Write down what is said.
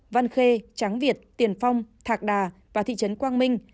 văn khê tráng việt tiền phong thạc đà và thị trấn quang minh